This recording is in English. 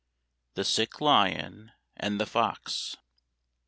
THE SICK LION AND THE FOX.